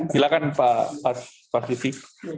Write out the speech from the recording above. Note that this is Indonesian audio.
silakan pak pasdifi